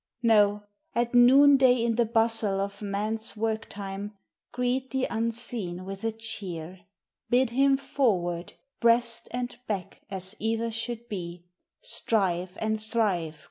No, at noonday in the bustle of man's work time Greet the unseen with a cheer ! DEATH: IMMORTALITY: HEAVEN. 375 Bid him forward, breast and back as either should be, " Strive and thrive!